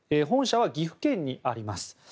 本社は岐阜県にあります。